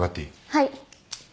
はい。